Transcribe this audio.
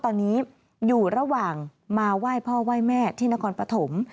ตอนนี้อยู่ระหว่างมาไหว้พ่อไหว้แม่ที่นครปฐม